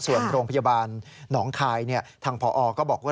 ส่วนโรงพยาบาลหนองคายทางพอก็บอกว่า